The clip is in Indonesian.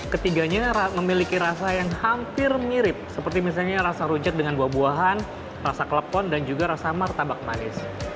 ketiganya memiliki rasa yang hampir mirip seperti misalnya rasa rujak dengan buah buahan rasa klepon dan juga rasa martabak manis